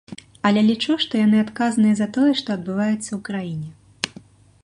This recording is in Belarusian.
Але лічу, што яны адказныя за тое, што адбываецца ў краіне.